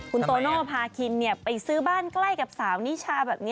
คุณโตโน่พาคินไปซื้อบ้านใกล้กับสาวนิชาแบบนี้